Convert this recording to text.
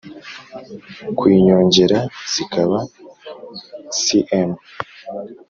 kuyinyongera zikaba cm